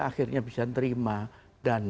akhirnya bisa terima dan